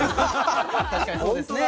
確かにそうですね。